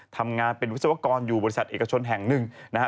ทำงานเป็นวิศวกรอยู่บริษัทเอกชนแห่งหนึ่งนะฮะ